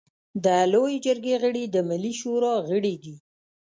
د لويې جرګې غړي د ملي شورا غړي دي.